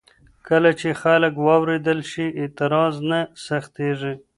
کله چې خلک واورېدل شي، اعتراض نه سختېږي.